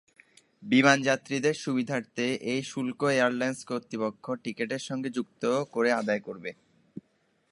বিমানযাত্রীদের সুবিধার্থে এই শুল্ক এয়ারলাইনস কর্তৃপক্ষ টিকিটের সঙ্গে যুক্ত করে আদায় করবে।